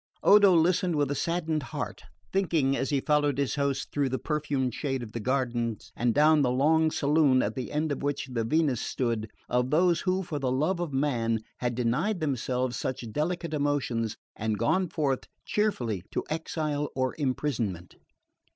Odo listened with a saddened heart, thinking, as he followed his host through the perfumed shade of the gardens, and down the long saloon at the end of which the Venus stood, of those who for the love of man had denied themselves such delicate emotions and gone forth cheerfully to exile or imprisonment.